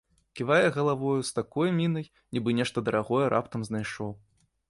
Ківае галавою з такой мінай, нібы нешта дарагое раптам знайшоў.